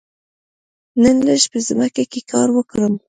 نن لږ په ځمکه کې کار وکړم.